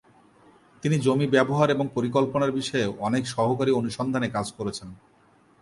তিনি জমি ব্যবহার এবং পরিকল্পনার বিষয়ে অনেক সরকারী অনুসন্ধানে কাজ করেছেন।